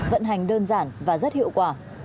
vận hành đơn giản và rất hiệu quả